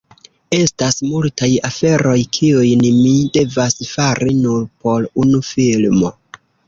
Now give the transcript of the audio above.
Estas multaj aferoj, kiujn mi devas fari nur por unu filmo.